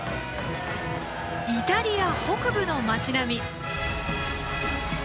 イタリア北部の街並み。